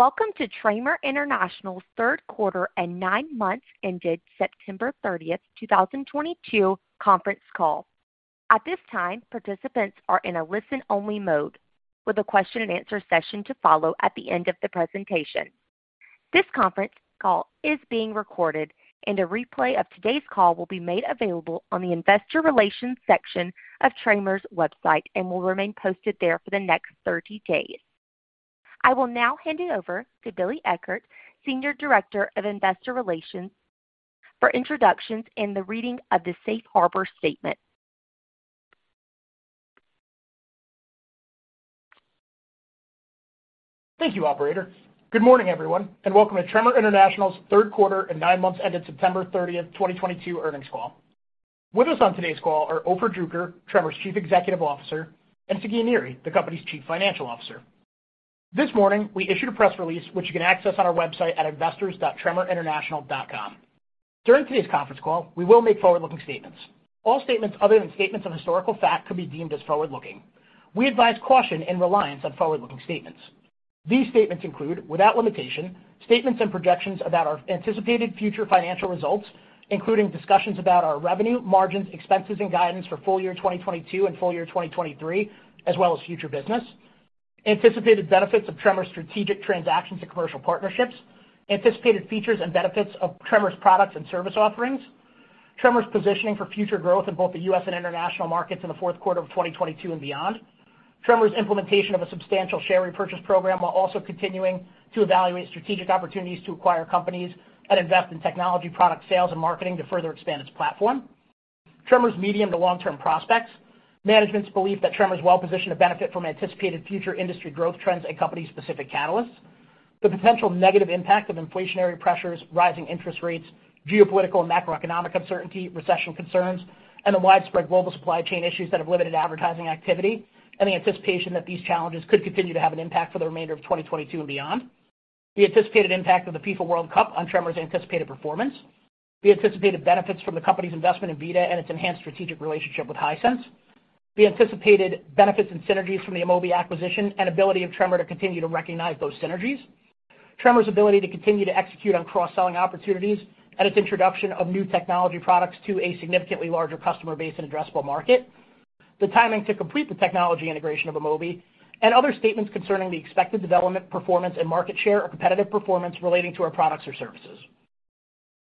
Welcome to Tremor International's Q3 and 9 months ended September 30, 2022 conference call. At this time, participants are in a listen-only mode, with a question and answer session to follow at the end of the presentation. This conference call is being recorded, and a replay of today's call will be made available on the investor relations section of Tremor's website and will remain posted there for the next 30 days. I will now hand it over to Billy Eckert, Senior Director of Investor Relations for introductions in the reading of the Safe Harbor statement. Thank you, operator. Good morning, everyone, and welcome to Tremor International's Q3 and nine months ended September 30, 2022 earnings call. With us on today's call are Ofer Druker, Tremor's Chief Executive Officer, and Sagi Niri, the company's Chief Financial Officer. This morning, we issued a press release which you can access on our website at investors.tremorinternational.com. During today's conference call, we will make forward-looking statements. All statements other than statements of historical fact could be deemed as forward-looking. We advise caution in reliance on forward-looking statements. These statements include, without limitation, statements and projections about our anticipated future financial results, including discussions about our revenue, margins, expenses, and guidance for full year 2022 and full year 2023, as well as future business. Anticipated benefits of Tremor's strategic transactions and commercial partnerships. Anticipated features and benefits of Tremor's products and service offerings. Tremor's positioning for future growth in both the U.S. and international markets in the Q4 of 2022 and beyond. Tremor's implementation of a substantial share repurchase program while also continuing to evaluate strategic opportunities to acquire companies and invest in technology, product sales, and marketing to further expand its platform. Tremor's medium- to long-term prospects. Management's belief that Tremor is well-positioned to benefit from anticipated future industry growth trends and company-specific catalysts. The potential negative impact of inflationary pressures, rising interest rates, geopolitical and macroeconomic uncertainty, recession concerns, and the widespread global supply chain issues that have limited advertising activity, and the anticipation that these challenges could continue to have an impact for the remainder of 2022 and beyond. The anticipated impact of the FIFA World Cup on Tremor's anticipated performance. The anticipated benefits from the company's investment in VIDAA and its enhanced strategic relationship with Hisense. The anticipated benefits and synergies from the Amobee acquisition and ability of Tremor to continue to recognize those synergies. Tremor's ability to continue to execute on cross-selling opportunities and its introduction of new technology products to a significantly larger customer base and addressable market. The timing to complete the technology integration of Amobee, and other statements concerning the expected development, performance, and market share or competitive performance relating to our products or services.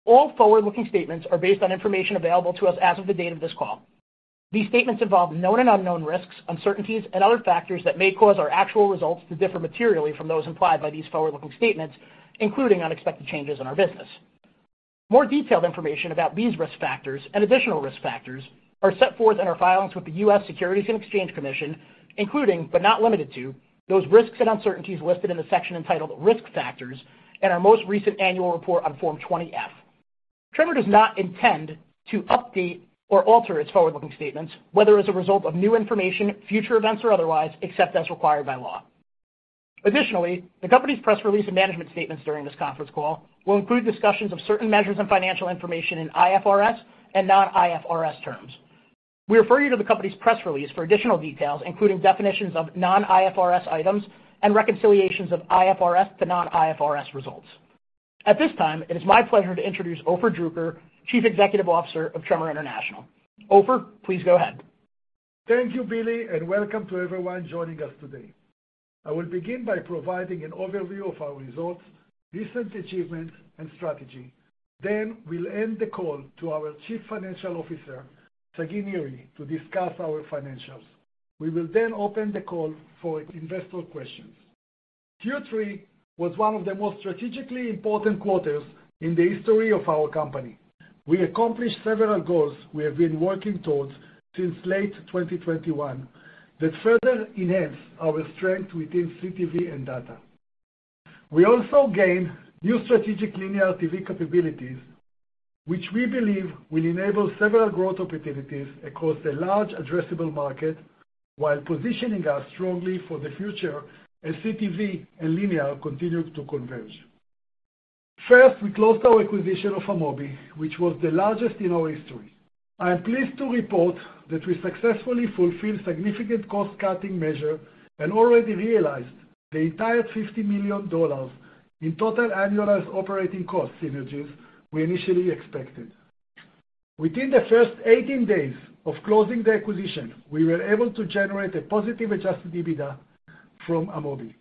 All forward-looking statements are based on information available to us as of the date of this call. These statements involve known and unknown risks, uncertainties, and other factors that may cause our actual results to differ materially from those implied by these forward-looking statements, including unexpected changes in our business. More detailed information about these risk factors and additional risk factors are set forth in our filings with the U.S. Securities and Exchange Commission, including, but not limited to, those risks and uncertainties listed in the section entitled Risk Factors in our most recent annual report on Form 20-F. Tremor does not intend to update or alter its forward-looking statements, whether as a result of new information, future events, or otherwise, except as required by law. Additionally, the company's press release and management statements during this conference call will include discussions of certain measures and financial information in IFRS and non-IFRS terms. We refer you to the company's press release for additional details, including definitions of non-IFRS items and reconciliations of IFRS to non-IFRS results. At this time, it is my pleasure to introduce Ofer Druker, Chief Executive Officer of Tremor International. Ofer, please go ahead. Thank you, Billy, and welcome to everyone joining us today. I will begin by providing an overview of our results, recent achievements, and strategy. We'll end the call to our Chief Financial Officer, Sagi Niri, to discuss our financials. We will then open the call for investor questions. Q3 was one of the most strategically important quarters in the history of our company. We accomplished several goals we have been working towards since late 2021 that further enhance our strength within CTV and data. We also gained new strategic linear TV capabilities, which we believe will enable several growth opportunities across a large addressable market while positioning us strongly for the future as CTV and linear continue to converge. First, we closed our acquisition of Amobee, which was the largest in our history. I am pleased to report that we successfully fulfilled significant cost-cutting measure and already realized the entire $50 million in total annualized operating cost synergies we initially expected. Within the first 18 days of closing the acquisition, we were able to generate a positive adjusted EBITDA from Amobee.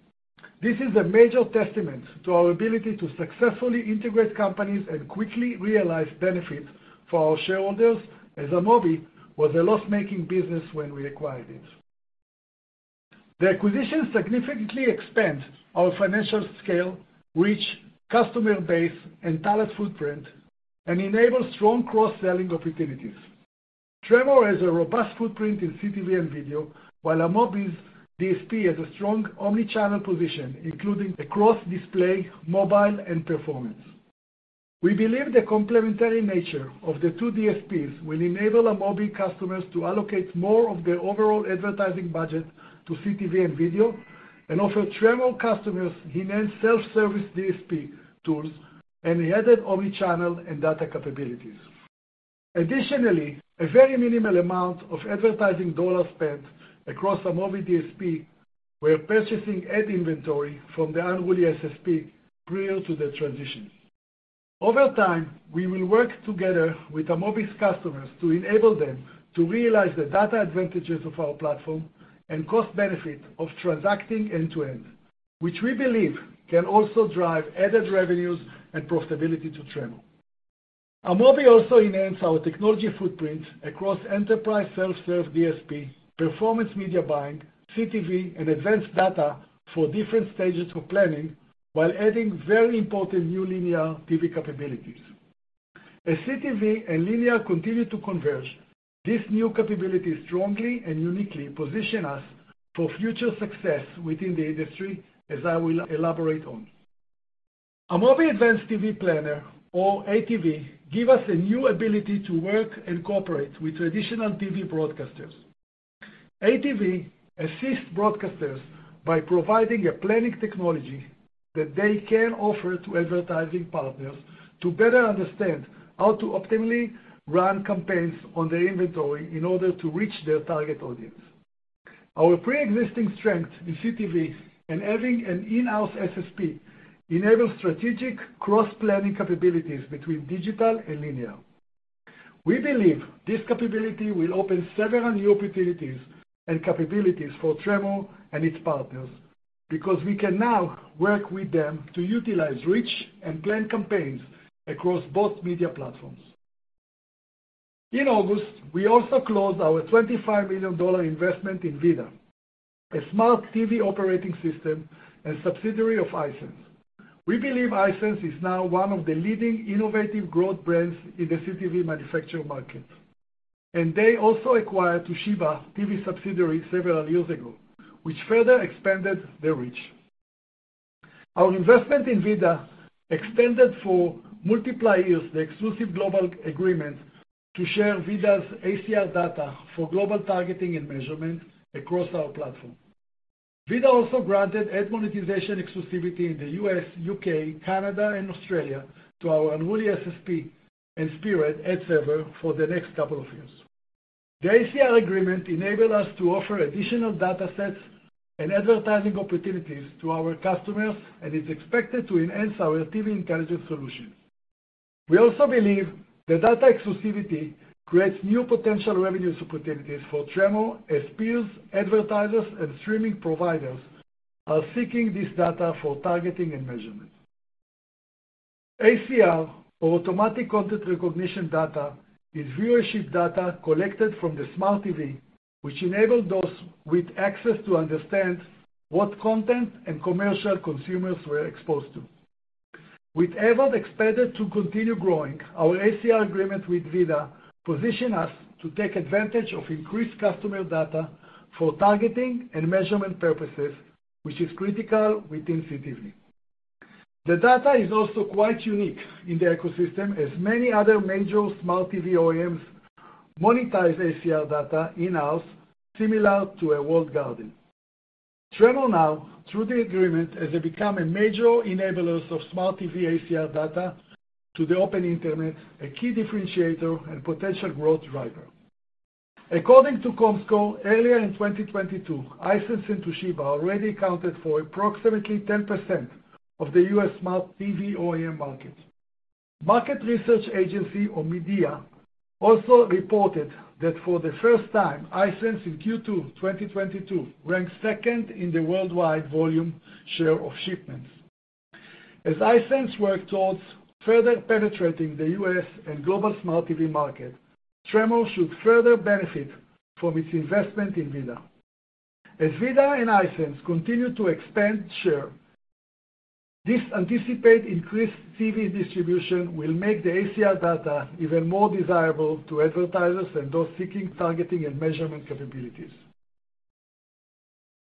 This is a major testament to our ability to successfully integrate companies and quickly realize benefits for our shareholders, as Amobee was a loss-making business when we acquired it. The acquisition significantly expands our financial scale, reach, customer base, and talent footprint, and enables strong cross-selling opportunities. Tremor has a robust footprint in CTV and video, while Amobee's DSP has a strong omni-channel position, including across display, mobile, and performance. We believe the complementary nature of the two DSPs will enable Amobee customers to allocate more of their overall advertising budget to CTV and video and offer Tremor customers enhanced self-service DSP tools and added omni-channel and data capabilities. Additionally, a very minimal amount of advertising dollars spent across Amobee DSP were purchasing ad inventory from the Unruly SSP prior to the transition. Over time, we will work together with Amobee's customers to enable them to realize the data advantages of our platform and cost benefit of transacting end-to-end, which we believe can also drive added revenues and profitability to Tremor. Amobee also enhance our technology footprint across enterprise self-serve DSP, performance media buying, CTV, and advanced data for different stages of planning, while adding very important new linear TV capabilities. As CTV and linear continue to converge, this new capability strongly and uniquely position us for future success within the industry, as I will elaborate on. Amobee Advanced TV Planner or ATV give us a new ability to work and cooperate with traditional TV broadcasters. ATV assists broadcasters by providing a planning technology that they can offer to advertising partners to better understand how to optimally run campaigns on their inventory in order to reach their target audience. Our preexisting strength in CTV and having an in-house SSP enable strategic cross-planning capabilities between digital and linear. We believe this capability will open several new opportunities and capabilities for Tremor and its partners, because we can now work with them to utilize reach and plan campaigns across both media platforms. In August, we also closed our $25 million investment in VIDAA, a smart TV operating system and subsidiary of Hisense. We believe Hisense is now one of the leading innovative growth brands in the CTV manufacturer market, and they also acquired Toshiba TV subsidiary several years ago, which further expanded their reach. Our investment in VIDAA extended for multiple years the exclusive global agreement to share VIDAA's ACR data for global targeting and measurement across our platform. VIDAA also granted ad monetization exclusivity in the U.S., U.K., Canada, and Australia to our Unruly SSP and Spearad ad server for the next couple of years. The ACR agreement enabled us to offer additional data sets and advertising opportunities to our customers and is expected to enhance our TV intelligence solutions. We also believe the data exclusivity creates new potential revenue opportunities for Tremor as peers, advertisers, and streaming providers are seeking this data for targeting and measurement. ACR or automatic content recognition data is viewership data collected from the smart TV, which enable those with access to understand what content and commercial consumers were exposed to. With AVOD expected to continue growing, our ACR agreement with VIDAA position us to take advantage of increased customer data for targeting and measurement purposes, which is critical within CTV. The data is also quite unique in the ecosystem as many other major smart TV OEMs monetize ACR data in-house, similar to a walled garden. Tremor now, through the agreement, as they become a major enablers of smart TV ACR data to the open internet, a key differentiator and potential growth driver. According to Comscore, earlier in 2022, Hisense and Toshiba already accounted for approximately 10% of the U.S. smart TV OEM market. Omdia also reported that for the first time, Hisense in Q2 2022 ranked second in the worldwide volume share of shipments. As Hisense work towards further penetrating the U.S. and global smart TV market, Tremor should further benefit from its investment in VIDAA. As VIDAA and Hisense continue to expand share, we anticipate increased TV distribution will make the ACR data even more desirable to advertisers and those seeking targeting and measurement capabilities.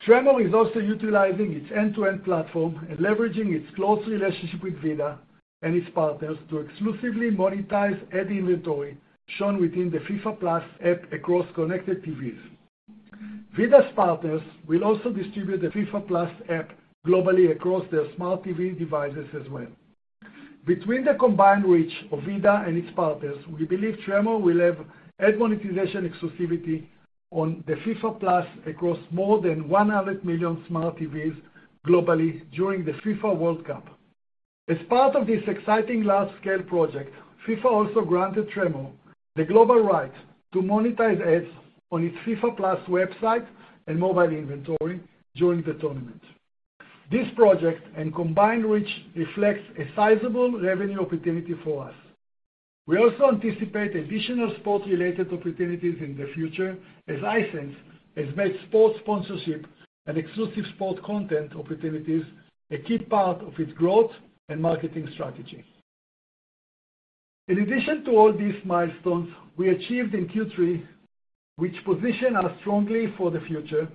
Tremor is also utilizing its end-to-end platform and leveraging its close relationship with VIDAA and its partners to exclusively monetize ad inventory shown within the FIFA+ app across connected TVs. VIDAA's partners will also distribute the FIFA+ app globally across their smart TV devices as well. Between the combined reach of VIDAA and its partners, we believe Tremor will have ad monetization exclusivity on the FIFA+ across more than 100 million smart TVs globally during the FIFA World Cup. As part of this exciting large-scale project, FIFA also granted Tremor the global rights to monetize ads on its FIFA+ website and mobile inventory during the tournament. This project and combined reach reflects a sizable revenue opportunity for us. We also anticipate additional sport-related opportunities in the future as Hisense has made sports sponsorship and exclusive sport content opportunities a key part of its growth and marketing strategy. In addition to all these milestones we achieved in Q3, which position us strongly for the future,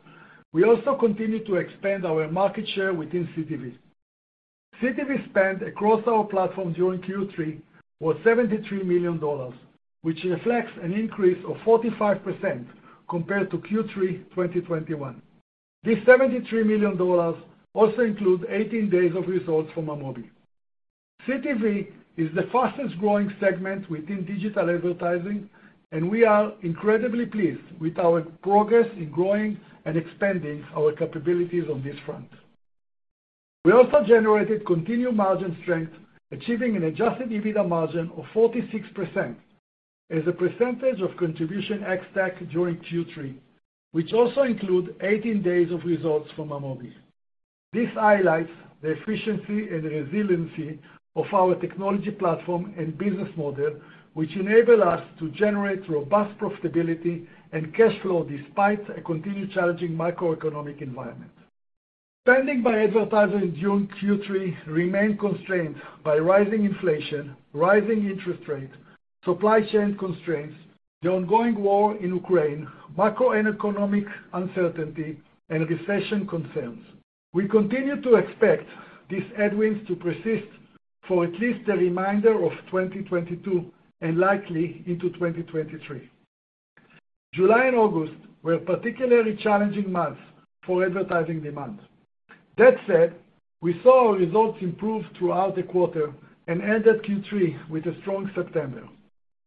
we also continue to expand our market share within CTV. CTV spend across our platform during Q3 was $73 million, which reflects an increase of 45% compared to Q3 2021. This $73 million also includes 18 days of results from Amobee. CTV is the fastest growing segment within digital advertising, and we are incredibly pleased with our progress in growing and expanding our capabilities on this front. We also generated continued margin strength, achieving an adjusted EBITDA margin of 46% as a percentage of contribution ex-TAC during Q3, which also include 18 days of results from Amobee. This highlights the efficiency and resiliency of our technology platform and business model, which enable us to generate robust profitability and cash flow despite a continued challenging macroeconomic environment. Spending by advertisers during Q3 remained constrained by rising inflation, rising interest rates, supply chain constraints, the ongoing war in Ukraine, macroeconomic uncertainty, and recession concerns. We continue to expect these headwinds to persist for at least the remainder of 2022 and likely into 2023. July and August were particularly challenging months for advertising demand. That said, we saw our results improve throughout the quarter and ended Q3 with a strong September.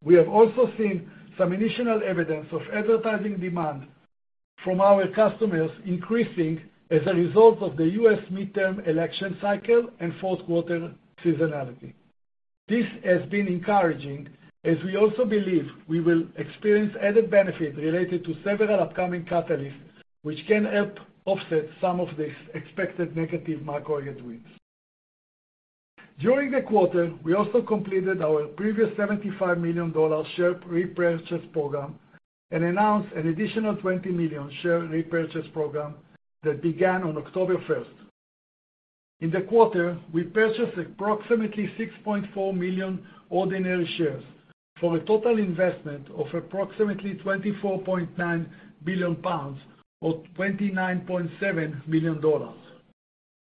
We have also seen some initial evidence of advertising demand from our customers increasing as a result of the U.S. midterm election cycle and Q4 seasonality. This has been encouraging as we also believe we will experience added benefit related to several upcoming catalysts which can help offset some of this expected negative macro headwinds. During the quarter, we also completed our previous $75 million share repurchase program and announced an additional $20 million share repurchase program that began on October 1. In the quarter, we purchased approximately 6.4 million ordinary shares for a total investment of approximately 24.9 million pounds or $29.7 million.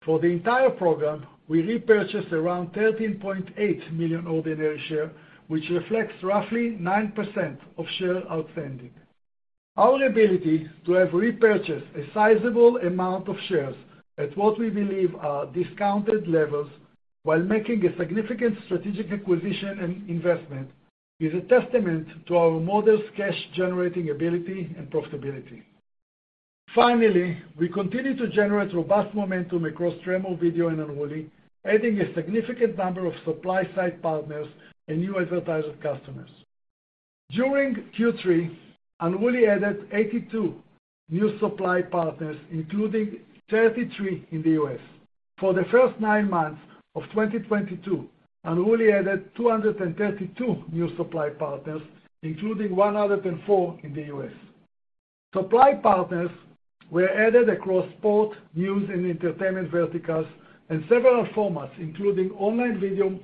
For the entire program, we repurchased around 13.8 million ordinary shares, which reflects roughly 9% of shares outstanding. Our ability to have repurchased a sizable amount of shares at what we believe are discounted levels while making a significant strategic acquisition and investment is a testament to our model's cash generating ability and profitability. We continue to generate robust momentum across Tremor Video and Unruly, adding a significant number of supply-side partners and new advertiser customers. During Q3, Unruly added 82 new supply partners, including 33 in the U.S. For the first nine months of 2022, Unruly added 232 new supply partners, including 104 in the U.S. Supply partners were added across sport, news, and entertainment verticals and several formats, including online video,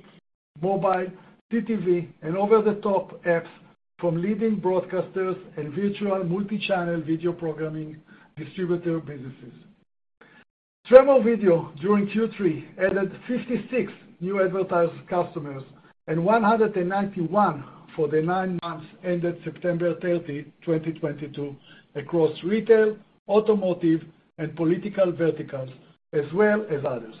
mobile, CTV, and over-the-top apps from leading broadcasters and virtual multi-channel video programming distributor businesses. Tremor Video during Q3 added 56 new advertiser customers and 191 for the nine months ended September 30, 2022 across retail, automotive, and political verticals, as well as others.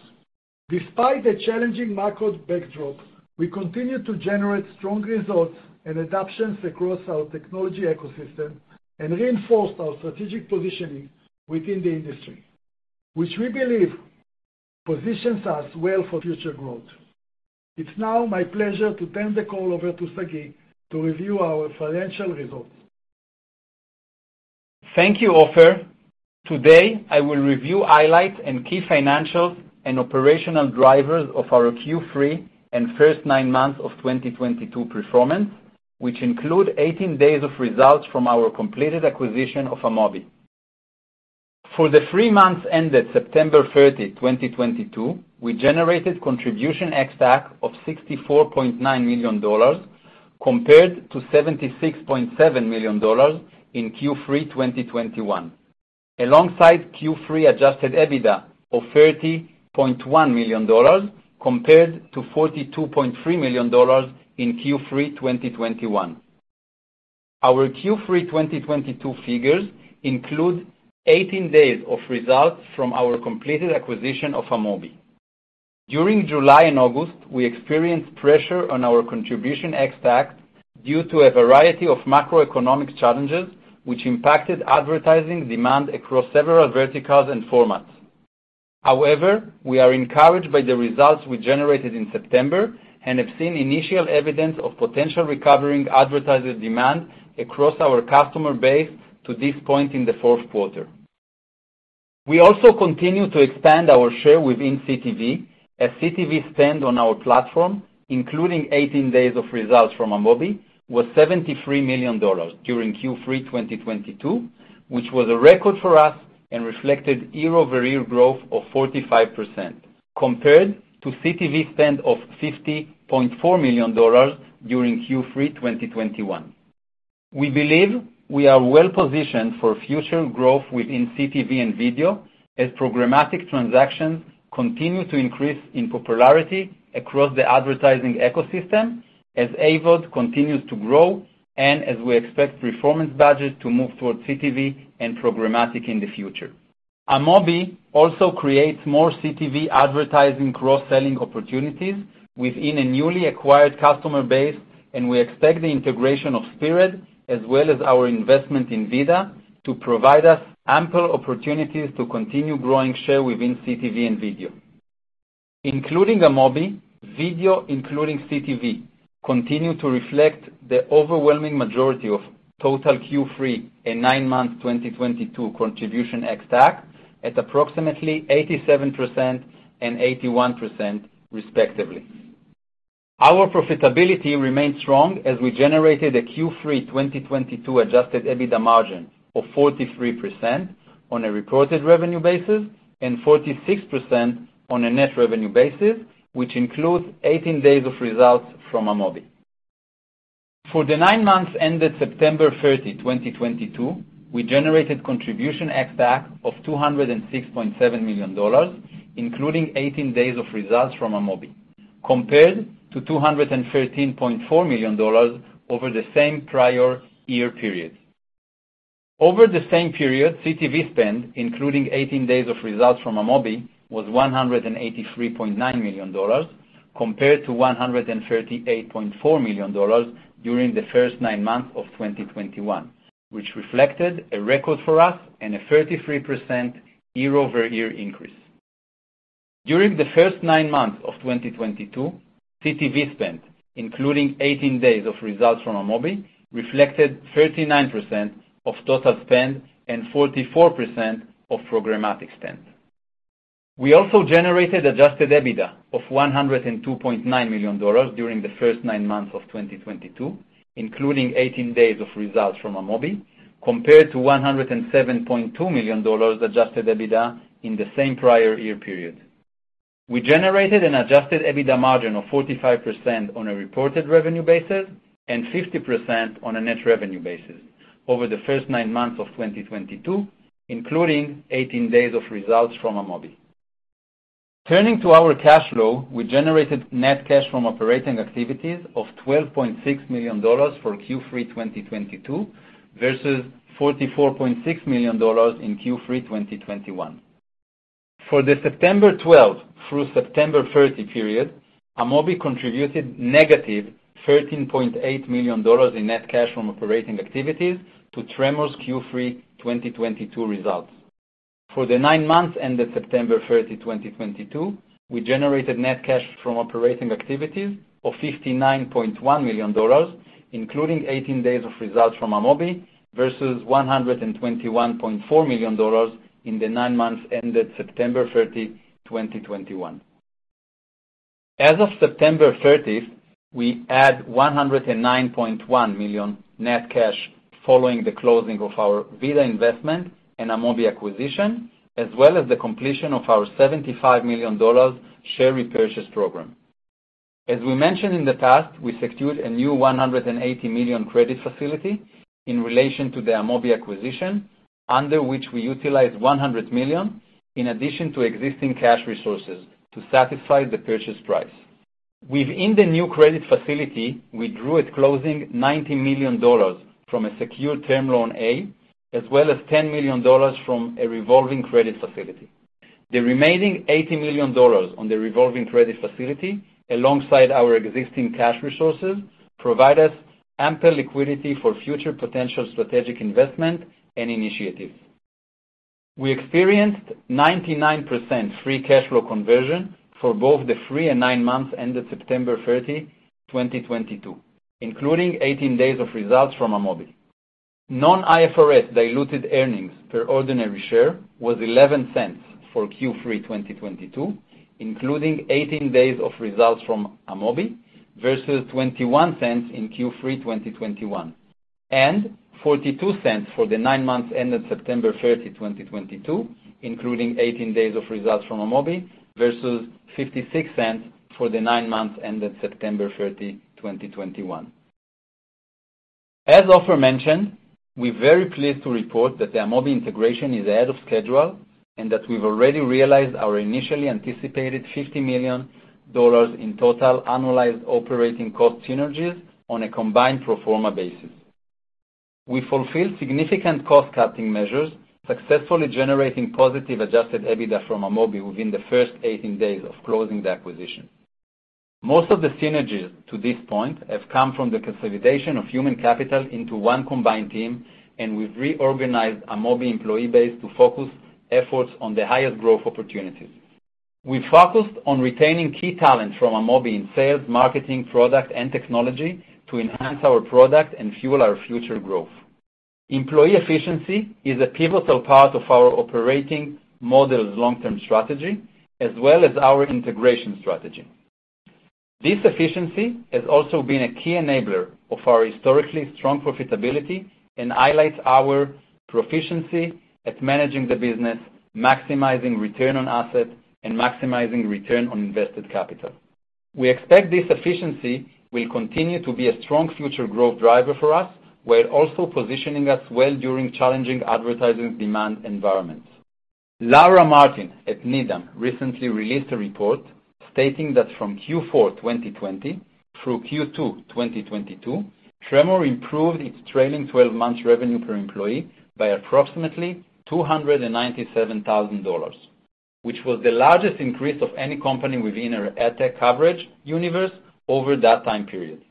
Despite the challenging macro backdrop, we continued to generate strong results and adoptions across our technology ecosystem and reinforced our strategic positioning within the industry, which we believe positions us well for future growth. It's now my pleasure to turn the call over to Sagi to review our financial results. Thank you, Ofer. Today, I will review highlights and key financials and operational drivers of our Q3 and first nine months of 2022 performance, which include 18 days of results from our completed acquisition of Amobee. For the three months ended September 30, 2022, we generated contribution ex-TAC of $64.9 million compared to $76.7 million in Q3 2021. Alongside Q3 adjusted EBITDA of $30.1 million compared to $42.3 million in Q3 2021. Our Q3 2022 figures include 18 days of results from our completed acquisition of Amobee. During July and August, we experienced pressure on our contribution ex-TAC due to a variety of macroeconomic challenges which impacted advertising demand across several verticals and formats. However, we are encouraged by the results we generated in September and have seen initial evidence of potential recovering advertiser demand across our customer base to this point in the Q4. We also continue to expand our share within CTV, as CTV spend on our platform, including 18 days of results from Amobee, was $73 million during Q3 2022, which was a record for us and reflected year-over-year growth of 45% compared to CTV spend of $50.4 million during Q3 2021. We believe we are well positioned for future growth within CTV and video. As programmatic transactions continue to increase in popularity across the advertising ecosystem, as AVOD continues to grow, and as we expect performance budgets to move towards CTV and programmatic in the future. Amobee also creates more CTV advertising cross-selling opportunities within a newly acquired customer base, and we expect the integration of Spearad as well as our investment in VIDAA to provide us ample opportunities to continue growing share within CTV and video. Including Amobee, video, including CTV, continue to reflect the overwhelming majority of total Q3 and nine-month 2022 contribution ex-TAC at approximately 87% and 81% respectively. Our profitability remains strong as we generated a Q3 2022 adjusted EBITDA margin of 43% on a reported revenue basis and 46% on a net revenue basis, which includes 18 days of results from Amobee. For the nine months ended September 30, 2022, we generated contribution ex-TAC of $206.7 million, including 18 days of results from Amobee, compared to $213.4 million over the same prior year period. Over the same period, CTV spend, including 18 days of results from Amobee, was $183.9 million compared to $138.4 million during the first nine months of 2021, which reflected a record for us and a 33% year-over-year increase. During the first nine months of 2022, CTV spend, including 18 days of results from Amobee, reflected 39% of total spend and 44% of programmatic spend. We generated adjusted EBITDA of $102.9 million during the first nine months of 2022, including 18 days of results from Amobee, compared to $107.2 million adjusted EBITDA in the same prior year period. We generated an adjusted EBITDA margin of 45% on a reported revenue basis and 50% on a net revenue basis over the first nine months of 2022, including 18 days of results from Amobee. Turning to our cash flow, we generated net cash from operating activities of $12.6 million for Q3 2022 versus $44.6 million in Q3 2021. For the September 12 through September 30 period, Amobee contributed -$13.8 million in net cash from operating activities to Tremor's Q3 2022 results. For the nine months ended September 30, 2022, we generated net cash from operating activities of $59.1 million, including 18 days of results from Amobee, versus $121.4 million in the nine months ended September 30, 2021. As of September 30, we had $109.1 million net cash following the closing of our VIDAA investment and Amobee acquisition, as well as the completion of our $75 million share repurchase program. As we mentioned in the past, we secured a new $180 million credit facility in relation to the Amobee acquisition, under which we utilized $100 million in addition to existing cash resources to satisfy the purchase price. Within the new credit facility, we drew at closing $90 million from a secure term loan A as well as $10 million from a revolving credit facility. The remaining $80 million on the revolving credit facility, alongside our existing cash resources, provide us ample liquidity for future potential strategic investment and initiatives. We experienced 99% free cash flow conversion for both the three and nine months ended September 30, 2022, including 18 days of results from Amobee. Non-IFRS diluted earnings per ordinary share was $0.11 for Q3 2022, including 18 days of results from Amobee, versus $0.21 in Q3 2021, and $0.42 for the nine months ended September 30, 2022, including 18 days of results from Amobee, versus $0.56 for the nine months ended September 30, 2021. As Ofer mentioned, we're very pleased to report that the Amobee integration is ahead of schedule and that we've already realized our initially anticipated $50 million in total annualized operating cost synergies on a combined pro forma basis. We fulfilled significant cost-cutting measures, successfully generating positive adjusted EBITDA from Amobee within the first 18 days of closing the acquisition. Most of the synergies to this point have come from the consolidation of human capital into one combined team, and we've reorganized Amobee employee base to focus efforts on the highest growth opportunities. We focused on retaining key talent from Amobee in sales, marketing, product, and technology to enhance our product and fuel our future growth. Employee efficiency is a pivotal part of our operating model's long-term strategy as well as our integration strategy. This efficiency has also been a key enabler of our historically strong profitability and highlights our proficiency at managing the business, maximizing return on assets, and maximizing return on invested capital. We expect this efficiency will continue to be a strong future growth driver for us, while also positioning us well during challenging advertising demand environments. Laura Martin at Needham recently released a report stating that from Q4 2020 through Q2 2022, Tremor improved its trailing twelve-month revenue per employee by approximately $297,000, which was the largest increase of any company within our ad tech coverage universe over that time period.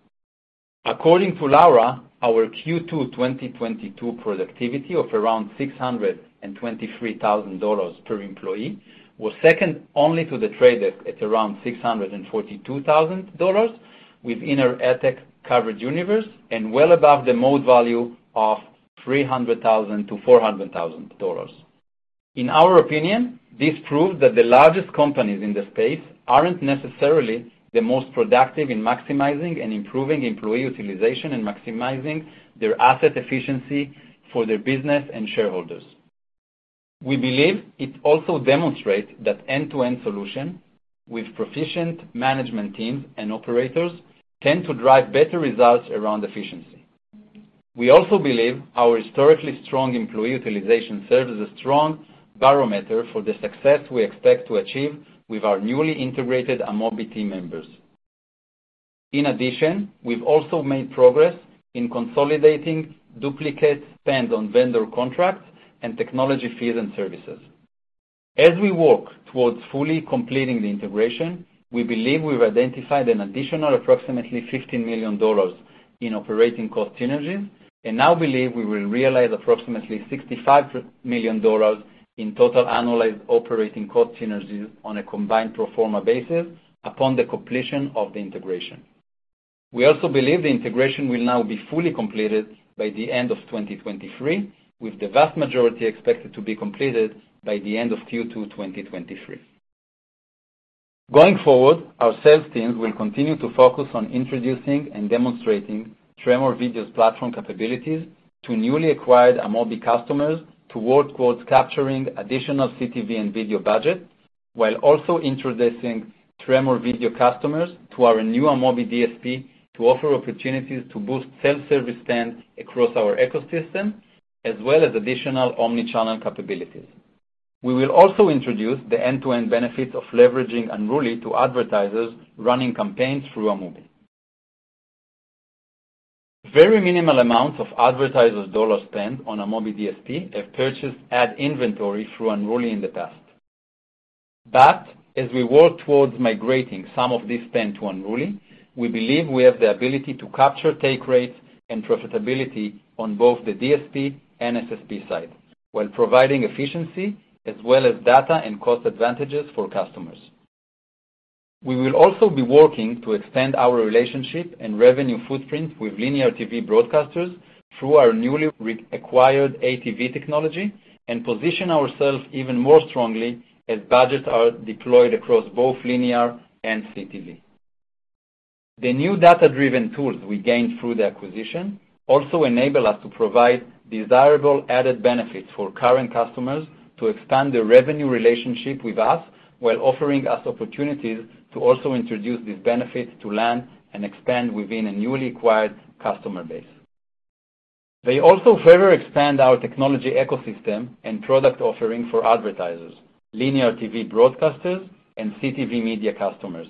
According to Laura, our Q2 2022 productivity of around $623,000 per employee was second only to The Trade Desk at around $642,000 within our ad tech coverage universe and well above the mode value of $300,000-$400,000. In our opinion, this proves that the largest companies in this space aren't necessarily the most productive in maximizing and improving employee utilization and maximizing their asset efficiency for their business and shareholders. We believe it also demonstrates that end-to-end solution with proficient management teams and operators tend to drive better results around efficiency. We also believe our historically strong employee utilization serves as a strong barometer for the success we expect to achieve with our newly integrated Amobee team members. In addition, we've also made progress in consolidating duplicate spend on vendor contracts and technology fees and services. As we work towards fully completing the integration, we believe we've identified an additional approximately $50 million in operating cost synergies and now believe we will realize approximately $65 million in total annualized operating cost synergies on a combined pro forma basis upon the completion of the integration. We also believe the integration will now be fully completed by the end of 2023, with the vast majority expected to be completed by the end of Q2 2023. Going forward, our sales teams will continue to focus on introducing and demonstrating Tremor Video's platform capabilities to newly acquired Amobee customers towards, quote, "capturing additional CTV and video budget," while also introducing Tremor Video customers to our new Amobee DSP to offer opportunities to boost self-service spend across our ecosystem, as well as additional omnichannel capabilities. We will also introduce the end-to-end benefits of leveraging Unruly to advertisers running campaigns through Amobee. Very minimal amounts of advertisers' dollars spent on Amobee DSP have purchased ad inventory through Unruly in the past. As we work towards migrating some of this spend to Unruly, we believe we have the ability to capture take rates and profitability on both the DSP and SSP side, while providing efficiency as well as data and cost advantages for customers. We will also be working to extend our relationship and revenue footprint with linear TV broadcasters through our newly re-acquired ATV technology and position ourselves even more strongly as budgets are deployed across both linear and CTV. The new data-driven tools we gained through the acquisition also enable us to provide desirable added benefits for current customers to expand their revenue relationship with us, while offering us opportunities to also introduce these benefits to land and expand within a newly acquired customer base. They also further expand our technology ecosystem and product offering for advertisers, linear TV broadcasters, and CTV media customers,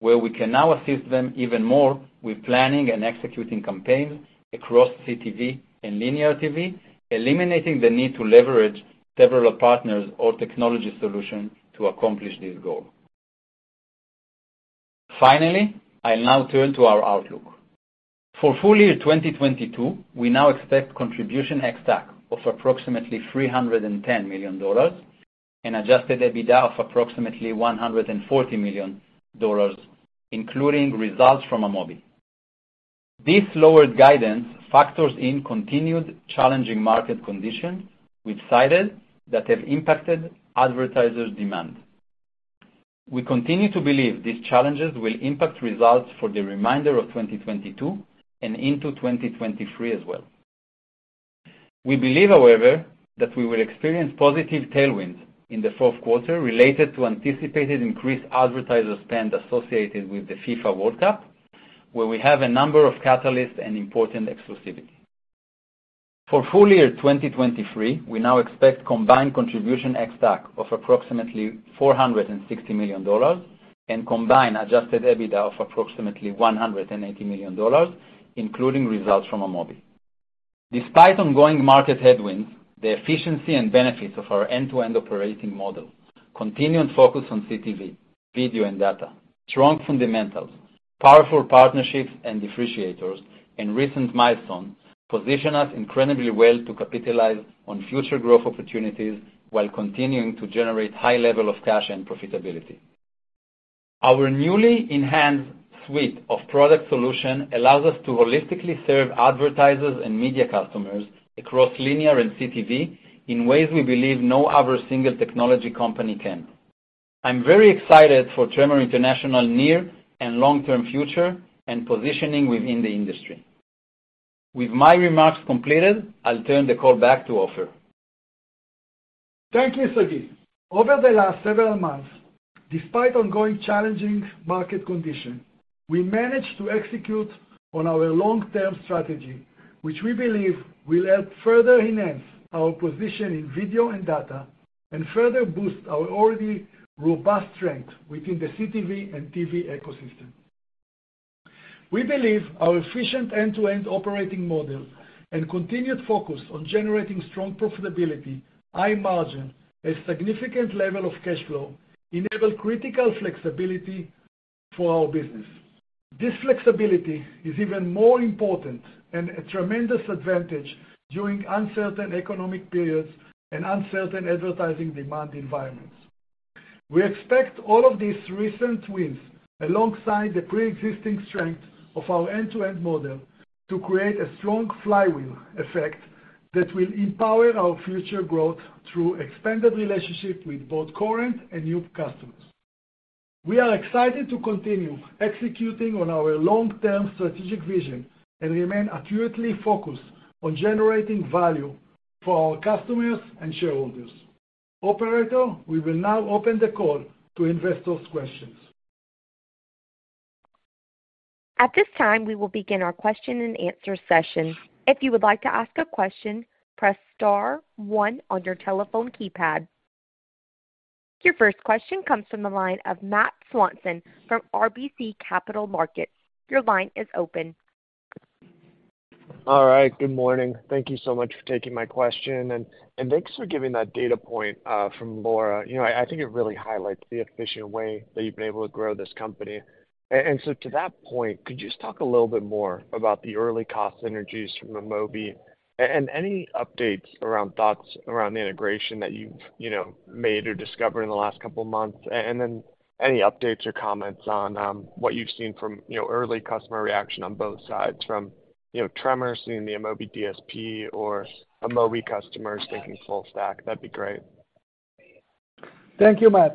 where we can now assist them even more with planning and executing campaigns across CTV and linear TV, eliminating the need to leverage several partners or technology solutions to accomplish this goal. Finally, I'll now turn to our outlook. For full year 2022, we now expect contribution ex-TAC of approximately $310 million and adjusted EBITDA of approximately $140 million, including results from Amobee. This lowered guidance factors in continued challenging market conditions we've cited that have impacted advertisers' demand. We continue to believe these challenges will impact results for the remainder of 2022 and into 2023 as well. We believe, however, that we will experience positive tailwinds in the Q4 related to anticipated increased advertiser spend associated with the FIFA World Cup, where we have a number of catalysts and important exclusivity. For full year 2023, we now expect combined contribution ex-TAC of approximately $460 million and combined adjusted EBITDA of approximately $180 million, including results from Amobee. Despite ongoing market headwinds, the efficiency and benefits of our end-to-end operating model, continued focus on CTV, video, and data, strong fundamentals, powerful partnerships and differentiators, and recent milestones position us incredibly well to capitalize on future growth opportunities while continuing to generate high level of cash and profitability. Our newly enhanced suite of product solution allows us to holistically serve advertisers and media customers across linear and CTV in ways we believe no other single technology company can. I'm very excited for Tremor International near and long-term future and positioning within the industry. With my remarks completed, I'll turn the call back to Ofer. Thank you, Sagi. Over the last several months, despite ongoing challenging market conditions, we managed to execute on our long-term strategy, which we believe will help further enhance our position in video and data and further boost our already robust strength within the CTV and TV ecosystem. We believe our efficient end-to-end operating model and continued focus on generating strong profitability, high margin, a significant level of cash flow enable critical flexibility for our business. This flexibility is even more important and a tremendous advantage during uncertain economic periods and uncertain advertising demand environments. We expect all of these recent wins alongside the preexisting strength of our end-to-end model to create a strong flywheel effect that will empower our future growth through expanded relationships with both current and new customers. We are excited to continue executing on our long-term strategic vision and remain acutely focused on generating value for our customers and shareholders. Operator, we will now open the call to investors' questions. At this time, we will begin our question-and-answer session. If you would like to ask a question, press star one on your telephone keypad. Your first question comes from the line of Matthew Swanson from RBC Capital Markets. Your line is open. All right. Good morning. Thank you so much for taking my question. Thanks for giving that data point from Laura. You know, I think it really highlights the efficient way that you've been able to grow this company. To that point, could you just talk a little bit more about the early cost synergies from Amobee and any updates around thoughts around the integration that you've, you know, made or discovered in the last couple of months? And then any updates or comments on what you've seen from, you know, early customer reaction on both sides from, you know, Tremor seeing the Amobee DSP or Amobee customers thinking full stack? That'd be great. Thank you, Matt.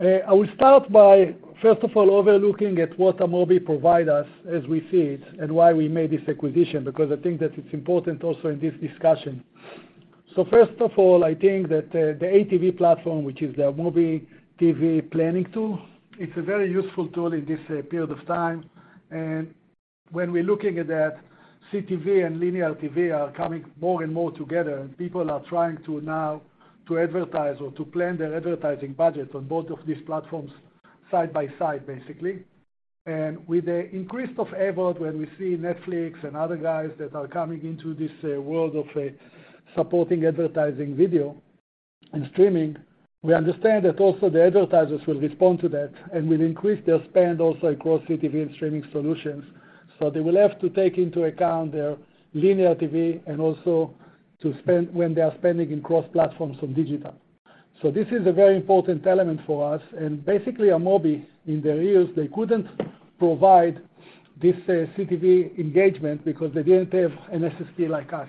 I will start by, first of all, overlooking what Amobee provide us as we see it and why we made this acquisition, because I think that it's important also in this discussion. First of all, I think that the ATV platform, which is the Amobee TV planning tool, it's a very useful tool in this period of time. When we're looking at that, CTV and linear TV are coming more and more together, and people are trying now to advertise or to plan their advertising budget on both of these platforms side by side, basically. With the increase of AVOD, when we see Netflix and other guys that are coming into this world of supporting advertising video and streaming, we understand that also the advertisers will respond to that and will increase their spend also across CTV and streaming solutions. They will have to take into account their linear TV and also to spend when they are spending in cross-platforms on digital. This is a very important element for us. Basically Amobee, in their years, they couldn't provide this CTV engagement because they didn't have an SSP like us.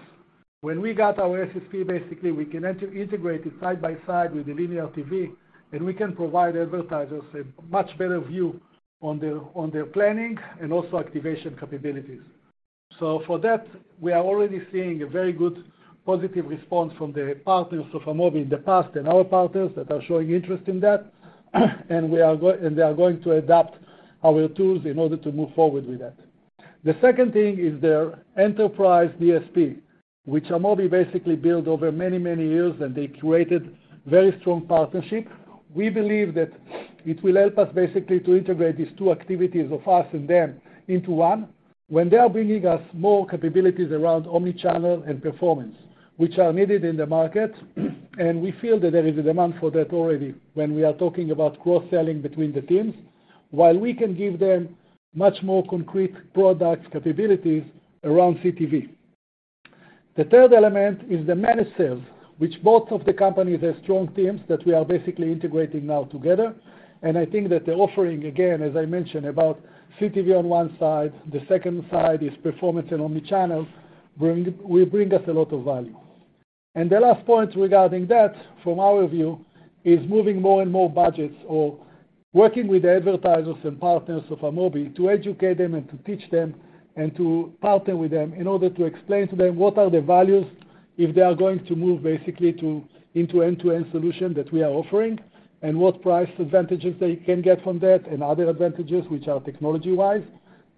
When we got our SSP, basically, we can integrate it side by side with the linear TV, and we can provide advertisers a much better view on their planning and also activation capabilities. For that, we are already seeing a very good positive response from the partners of Amobee in the past and our partners that are showing interest in that. They are going to adapt our tools in order to move forward with that. The second thing is their enterprise DSP, which Amobee basically built over many, many years, and they created very strong partnership. We believe that it will help us basically to integrate these two activities of us and them into one when they are bringing us more capabilities around omnichannel and performance, which are needed in the market, and we feel that there is a demand for that already when we are talking about cross-selling between the teams, while we can give them much more concrete product capabilities around CTV. The third element is the managed service, which both of the companies have strong teams that we are basically integrating now together. I think that the offering, again, as I mentioned about CTV on one side, the second side is performance and omnichannel, will bring us a lot of value. The last point regarding that from our view is moving more and more budgets or working with the advertisers and partners of Amobee to educate them and to teach them and to partner with them in order to explain to them what are the values if they are going to move basically to, into end-to-end solution that we are offering and what price advantages they can get from that and other advantages which are technology-wise,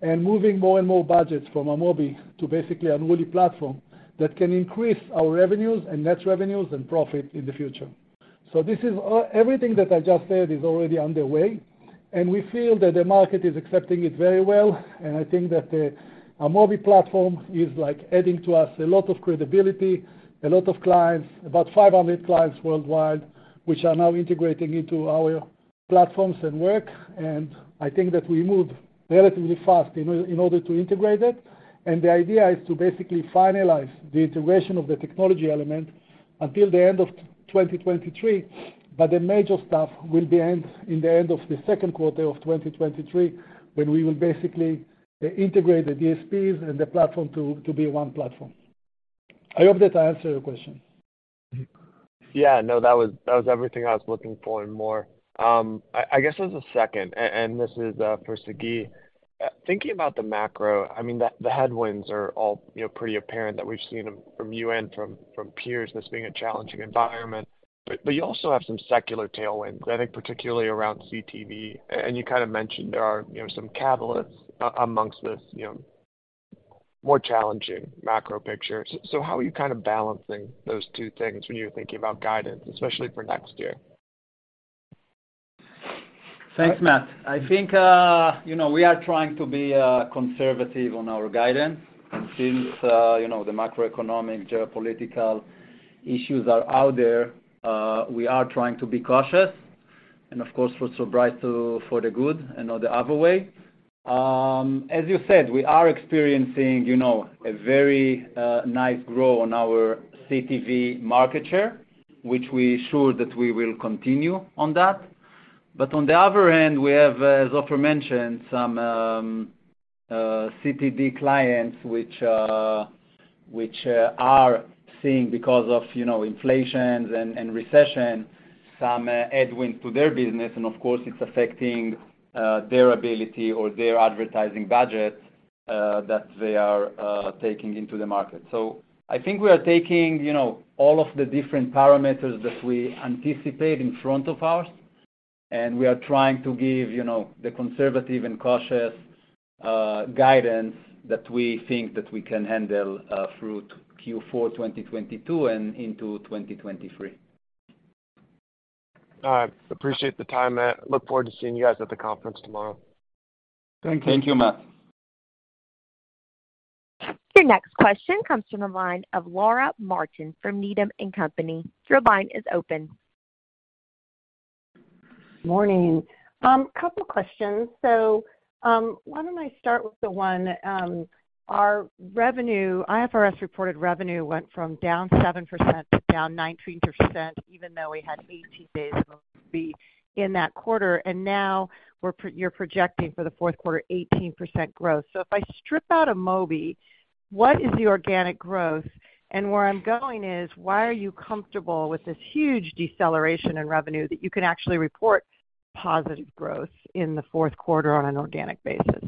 and moving more and more budgets from Amobee to basically Unruly platform that can increase our revenues and net revenues and profit in the future. Everything that I just said is already underway, and we feel that the market is accepting it very well. I think that the Amobee platform is like adding to us a lot of credibility, a lot of clients, about 500 clients worldwide, which are now integrating into our platforms and work. I think that we moved relatively fast in order to integrate it. The idea is to basically finalize the integration of the technology element until the end of 2023, but the major stuff will be in the end of the Q2 of 2023, when we will basically integrate the DSPs and the platform to be one platform. I hope that I answered your question. Yeah, no, that was everything I was looking for and more. I guess there's a second, and this is for Sagi. Thinking about the macro, I mean, the headwinds are all, you know, pretty apparent that we've seen them from you and from peers, this being a challenging environment. You also have some secular tailwinds, I think particularly around CTV, and you kind of mentioned there are, you know, some catalysts among this, you know, more challenging macro picture. How are you kind of balancing those two things when you're thinking about guidance, especially for next year? Thanks, Matt. I think, you know, we are trying to be conservative on our guidance. Since, you know, the macroeconomic geopolitical issues are out there, we are trying to be cautious and of course, we're surprised for the good and not the other way. As you said, we are experiencing, you know, a very nice growth on our CTV market share, which we're sure that we will continue on that. On the other hand, we have, as Ofer mentioned, some CTV clients which are seeing because of, you know, inflation and recession some headwinds to their business and of course it's affecting their ability or their advertising budget that they are taking into the market. I think we are taking, you know, all of the different parameters that we anticipate in front of us, and we are trying to give, you know, the conservative and cautious guidance that we think that we can handle through to Q4, 2022 and into 2023. All right. Appreciate the time, Matt. Look forward to seeing you guys at the conference tomorrow. Thank you. Thank you, Matt. Your next question comes from the line of Laura Martin from Needham & Company. Your line is open. Morning. Couple questions. Why don't I start with the one, our revenue—IFRS reported revenue went from down 7% to down 19%, even though we had 18 days of Amobee in that quarter, and now you're projecting for the Q4 18% growth. If I strip out Amobee, what is the organic growth? And where I'm going is, why are you comfortable with this huge deceleration in revenue that you can actually report positive growth in the Q4 on an organic basis?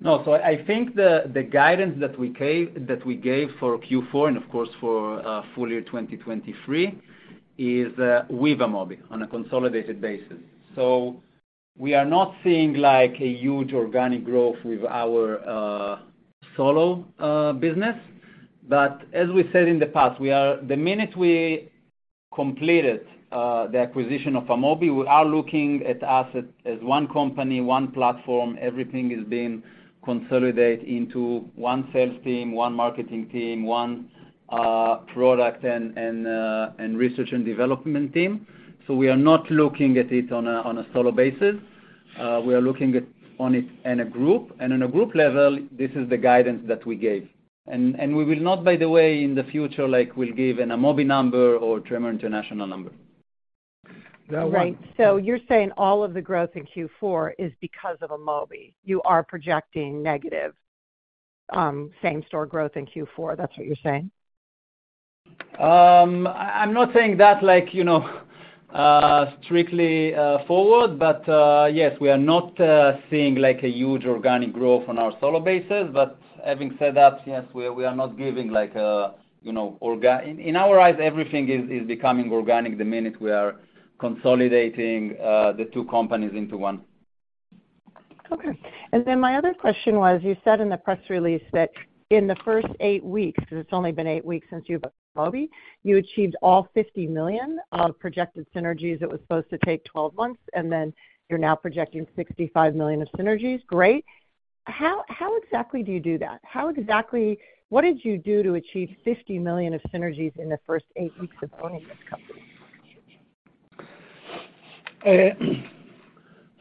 No. I think the guidance that we gave for Q4 and of course for full year 2023 is with Amobee on a consolidated basis. We are not seeing like a huge organic growth with our solo business. As we said in the past, the minute we completed the acquisition of Amobee, we are looking at us as one company, one platform. Everything is being consolidated into one sales team, one marketing team, one product and research and development team. We are not looking at it on a solo basis. We are looking at it in a group. In a group level, this is the guidance that we gave. We will not, by the way, in the future, like, we'll give an Amobee number or a Tremor International number. That one- Right. You're saying all of the growth in Q4 is because of Amobee. You are projecting negative same store growth in Q4. That's what you're saying? I'm not saying that like, you know, strictly forward. Yes, we are not seeing like a huge organic growth on our solo basis. Having said that, yes, we are not giving like, you know. In our eyes, everything is becoming organic the minute we are consolidating the two companies into one. Okay. My other question was, you said in the press release that in the first 8 weeks, because it's only been 8 weeks since you've bought Amobee, you achieved all $50 million of projected synergies that were supposed to take 12 months, and then you're now projecting $65 million of synergies. Great. How exactly do you do that? What did you do to achieve $50 million of synergies in the first 8 weeks of owning this company?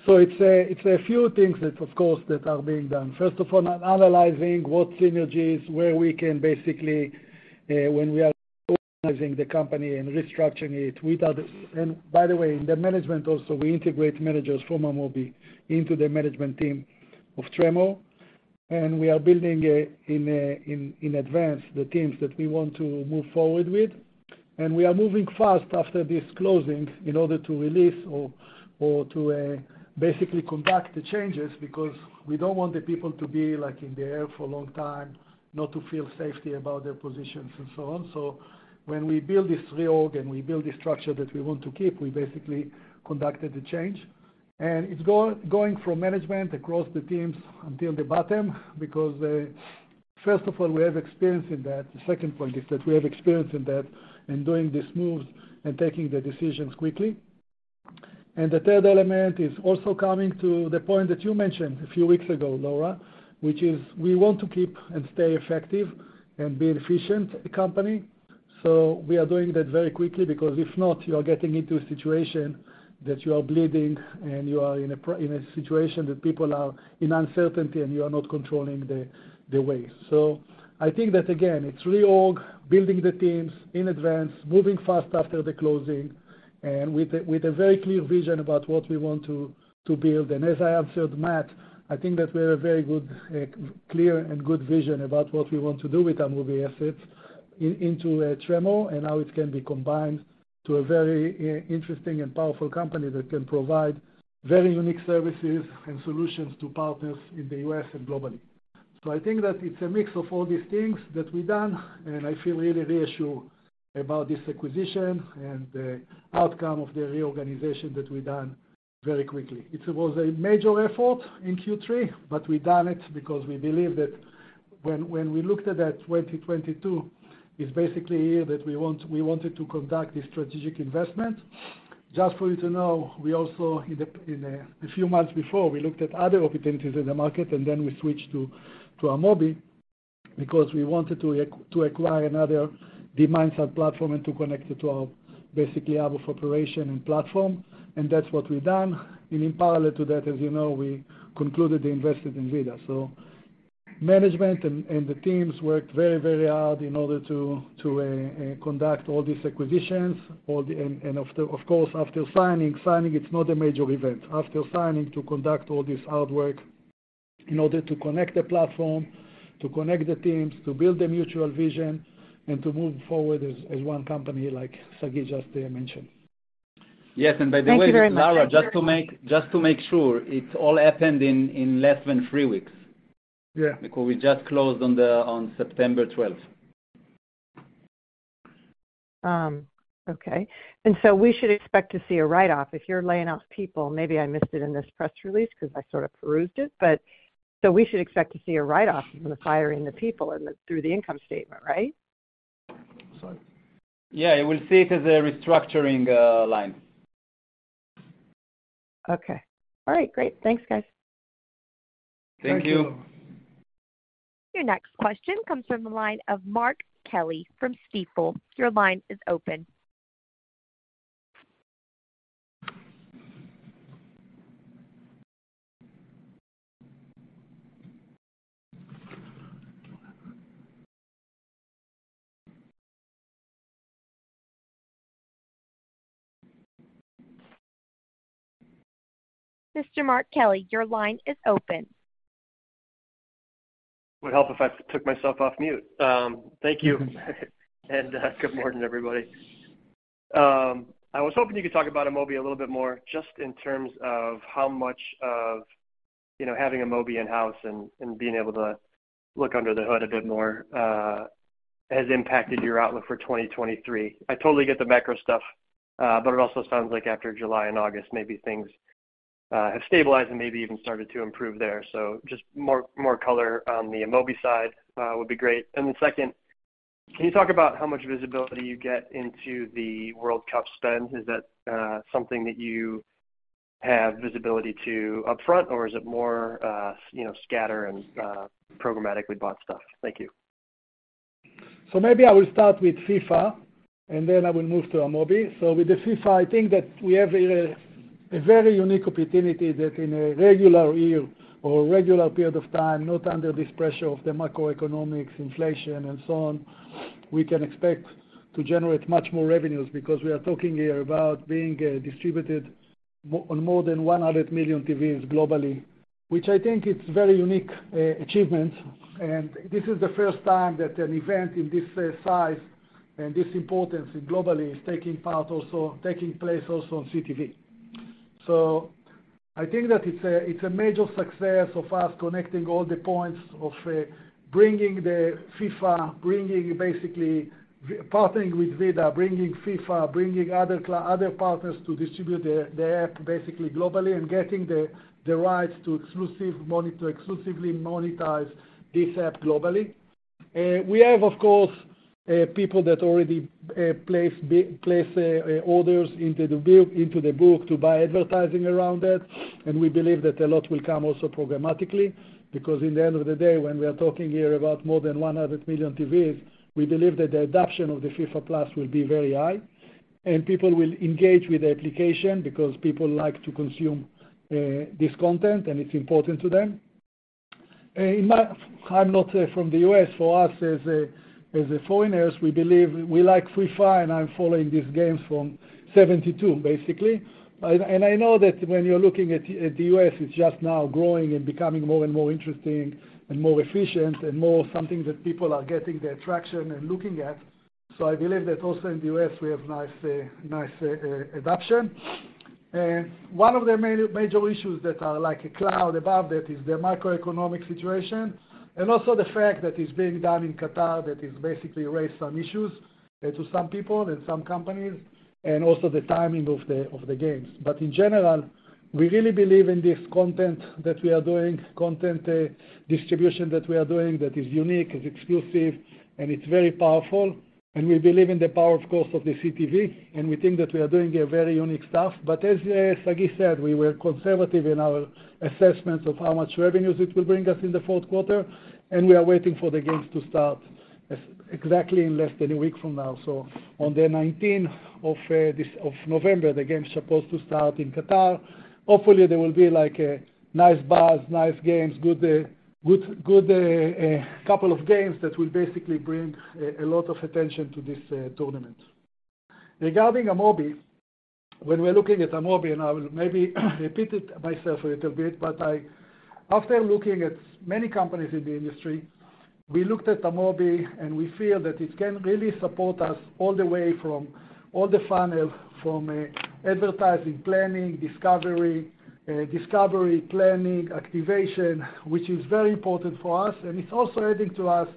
It's a few things that of course that are being done. First of all, analyzing what synergies, where we can basically when we are organizing the company and restructuring it without. By the way, in the management also, we integrate managers from Amobee into the management team of Tremor. We are building in advance the teams that we want to move forward with. We are moving fast after this closing in order to release or to basically conduct the changes because we don't want the people to be like in the air for a long time, not to feel safety about their positions and so on. When we build this reorg and we build this structure that we want to keep, we basically conducted the change. It's going from management across the teams until the bottom, because first of all, we have experience in that. The second point is that we have experience in that in doing these moves and taking the decisions quickly. The third element is also coming to the point that you mentioned a few weeks ago, Laura, which is we want to keep and stay effective and be an efficient company. We are doing that very quickly because if not, you are getting into a situation that you are bleeding and you are in a situation that people are in uncertainty and you are not controlling the way. I think that again, it's reorg, building the teams in advance, moving fast after the closing, and with a very clear vision about what we want to build. As I answered Matt, I think that we have a very good, clear and good vision about what we want to do with Amobee assets into Tremor and how it can be combined to a very interesting and powerful company that can provide very unique services and solutions to partners in the U.S. and globally. I think that it's a mix of all these things that we've done, and I feel really reassured about this acquisition and the outcome of the reorganization that we've done very quickly. It was a major effort in Q3, but we've done it because we believe that when we looked at that 2022, it's basically here that we wanted to conduct this strategic investment. Just for you to know, we also a few months before we looked at other opportunities in the market, and then we switched to Amobee because we wanted to acquire another demand-side platform and to connect it to our, basically, our operation and platform. That's what we've done. In parallel to that, as you know, we concluded the investment in VIDAA. Management and the teams worked very hard in order to conduct all these acquisitions, and of course, after signing, it's not a major event. After signing to conduct all this hard work in order to connect the platform, to connect the teams, to build a mutual vision, and to move forward as one company like Sagi just mentioned. Yes. By the way. Thank you very much. Laura, just to make sure, it all happened in less than three weeks. Yeah. Because we just closed on September twelfth. Okay. We should expect to see a write-off. If you're laying off people, maybe I missed it in this press release because I sort of perused it. We should expect to see a write-off from the firing of the people through the income statement, right? Sagi Yeah. You will see it as a restructuring line. Okay. All right. Great. Thanks, guys. Thank you. Thank you. Your next question comes from the line of Mark Kelley from Stifel. Your line is open. Mr. Mark Kelley, your line is open. Would help if I took myself off mute. Thank you and good morning, everybody. I was hoping you could talk about Amobee a little bit more just in terms of how much of, you know, having Amobee in-house and being able to look under the hood a bit more has impacted your outlook for 2023. I totally get the macro stuff, but it also sounds like after July and August, maybe things have stabilized and maybe even started to improve there. Just more color on the Amobee side would be great. Second, can you talk about how much visibility you get into the World Cup spend? Is that something that you have visibility to upfront, or is it more you know scatter and programmatically bought stuff? Thank you. Maybe I will start with FIFA, and then I will move to Amobee. With the FIFA, I think that we have a very unique opportunity that in a regular year or a regular period of time, not under this pressure of the macroeconomics, inflation, and so on, we can expect to generate much more revenues because we are talking here about being distributed on more than 100 million TVs globally, which I think it's very unique achievement. This is the first time that an event in this size and this importance globally is taking place also on CTV. I think that it's a major success of us connecting all the points of bringing the FIFA, partnering with VIDAA, bringing other partners to distribute the app basically globally and getting the rights to exclusively monetize this app globally. We have, of course, people that already place orders into the book to buy advertising around that, and we believe that a lot will come also programmatically. Because in the end of the day, when we are talking here about more than 100 million TVs, we believe that the adoption of the FIFA+ will be very high, and people will engage with the application because people like to consume this content and it's important to them. I'm not from the US, for us as foreigners, we like FIFA, and I'm following these games from 1972, basically. I know that when you're looking at the US, it's just now growing and becoming more and more interesting and more efficient and more something that people are getting the attraction and looking at. I believe that also in the US, we have nice adoption. One of the major issues that are like a cloud above that is the macroeconomic situation. Also the fact that it's being done in Qatar, that it basically raised some issues to some people and some companies, and also the timing of the games. In general, we really believe in this content that we are doing, content distribution that we are doing that is unique, is exclusive, and it's very powerful. We believe in the power, of course, of the CTV, and we think that we are doing a very unique stuff. As Sagi said, we were conservative in our assessments of how much revenues it will bring us in the Q4, and we are waiting for the games to start exactly in less than a week from now. On the nineteenth of November, the game's supposed to start in Qatar. Hopefully, there will be like a nice buzz, nice games, good couple of games that will basically bring a lot of attention to this tournament. Regarding Amobee, when we're looking at Amobee, and I will maybe repeat it myself a little bit, but after looking at many companies in the industry. We looked at Amobee and we feel that it can really support us all the way from all the funnels, from advertising, planning, discovery planning, activation, which is very important for us. It's also adding to us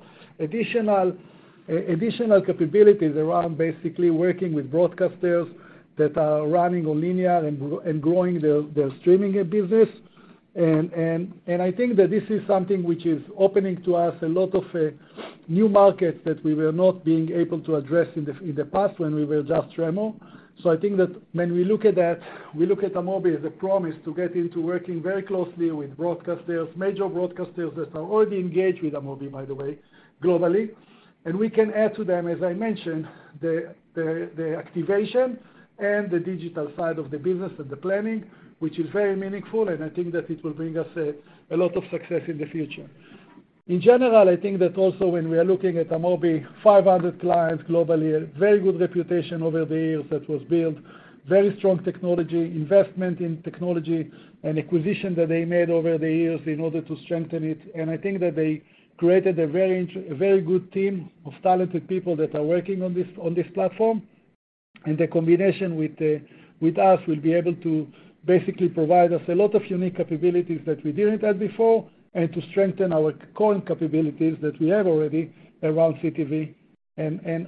additional capabilities around basically working with broadcasters that are running on linear and growing their streaming business. I think that this is something which is opening to us a lot of new markets that we were not being able to address in the past when we were just Tremor. I think that when we look at that, we look at Amobee as a promise to get into working very closely with broadcasters, major broadcasters that are already engaged with Amobee, by the way, globally. We can add to them, as I mentioned, the activation and the digital side of the business and the planning, which is very meaningful, and I think that it will bring us a lot of success in the future. In general, I think that also when we are looking at Amobee, 500 clients globally, a very good reputation over the years that was built, very strong technology, investment in technology and acquisition that they made over the years in order to strengthen it. I think that they created a very good team of talented people that are working on this platform. The combination with us will be able to basically provide us a lot of unique capabilities that we didn't have before and to strengthen our core capabilities that we have already around CTV.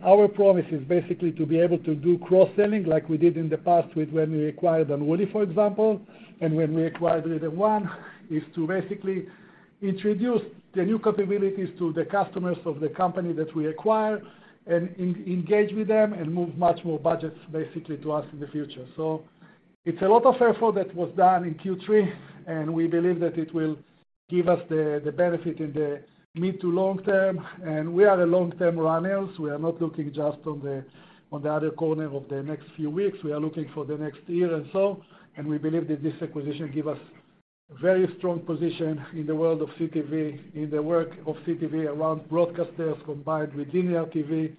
Our promise is basically to be able to do cross-selling like we did in the past with when we acquired Unruly, for example, and when we acquired VIDAA, is to basically introduce the new capabilities to the customers of the company that we acquire and engage with them and move much more budgets basically to us in the future. It's a lot of effort that was done in Q3, and we believe that it will give us the benefit in the mid to long term. We are long-term runners. We are not looking just on the other quarter of the next few weeks. We are looking for the next year and so and we believe that this acquisition give us very strong position in the world of CTV, in the work of CTV around broadcasters combined with linear TV,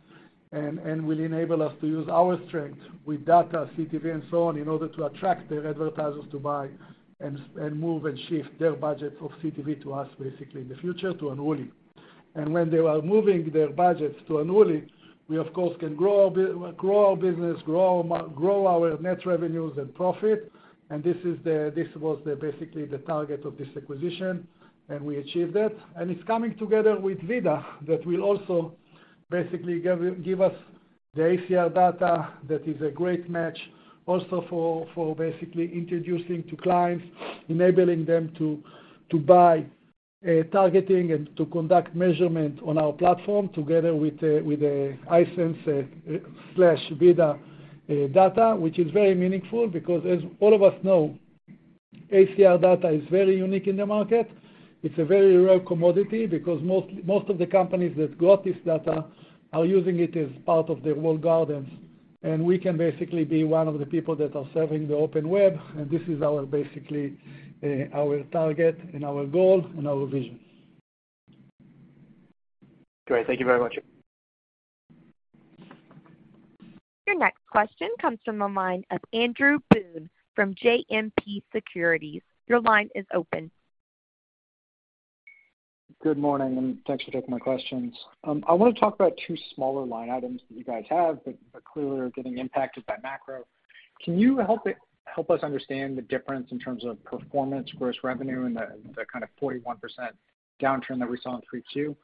and will enable us to use our strength with data, CTV, and so on in order to attract their advertisers to buy and move and shift their budget of CTV to us basically in the future to Unruly. When they are moving their budgets to Unruly, we of course can grow our business, grow our net revenues and profit. This was basically the target of this acquisition, and we achieved that. It's coming together with VIDAA, that will also basically give us the ACR data that is a great match also for basically introducing to clients, enabling them to buy targeting and to conduct measurement on our platform together with Hisense slash VIDAA data, which is very meaningful because as all of us know, ACR data is very unique in the market. It's a very rare commodity because most of the companies that got this data are using it as part of their walled gardens, and we can basically be one of the people that are serving the open web, and this is our target and our goal and our vision. Great. Thank you very much. Your next question comes from the line of Andrew Boone from JMP Securities. Your line is open. Good morning, and thanks for taking my questions. I want to talk about two smaller line items that you guys have but clearly are getting impacted by macro. Can you help us understand the difference in terms of performance, gross revenue and the kind of 41% downturn that we saw in Q2?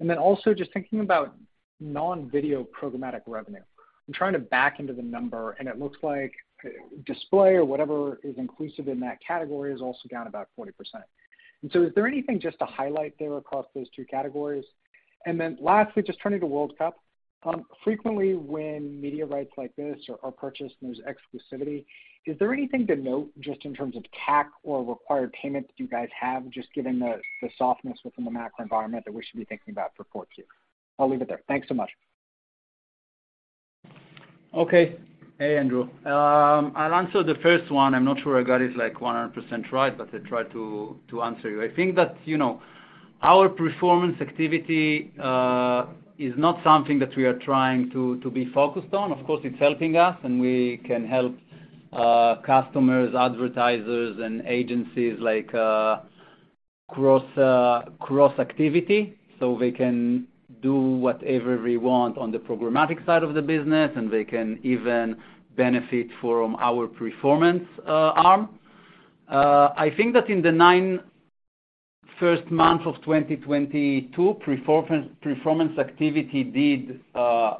Then also just thinking about non-video programmatic revenue. I'm trying to back into the number, and it looks like display or whatever is inclusive in that category is also down about 40%. Is there anything just to highlight there across those two categories? Lastly, just turning to World Cup. Frequently, when media rights like this are purchased and there's exclusivity, is there anything to note just in terms of CAC or required payment that you guys have just given the softness within the macro environment that we should be thinking about for Q4? I'll leave it there. Thanks so much. Okay. Hey, Andrew. I'll answer the first one. I'm not sure I got it 100% right, but I try to answer you. I think that, you know, our performance activity is not something that we are trying to be focused on. Of course, it's helping us, and we can help customers, advertisers and agencies like cross activity, so they can do whatever we want on the programmatic side of the business, and they can even benefit from our performance arm. I think that in the first nine months of 2022, performance activity did